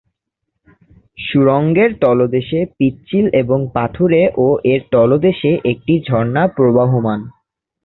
সুড়ঙ্গের তলদেশ পিচ্ছিল এবং পাথুরে ও এর তলদেশে একটি ঝর্ণা প্রবহমান।